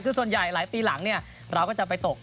คือส่วนใหญ่หลายปีหลังเราก็จะไปตก